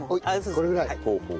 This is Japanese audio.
これぐらい？